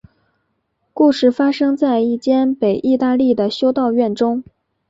故事发生在一间北意大利的修道院中。